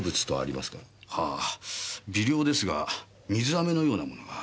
はぁ微量ですが水飴のようなものが。